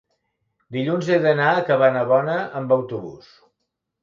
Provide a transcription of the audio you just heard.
dilluns he d'anar a Cabanabona amb autobús.